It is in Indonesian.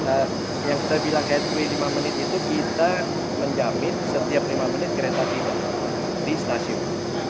karena yang saya bilang headway lima menit itu kita menjamin setiap lima menit kereta tidur di stasiun